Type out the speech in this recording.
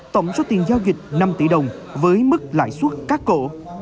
tổng số tiền giao dịch năm tỷ đồng với mức lãi suất cắt cổ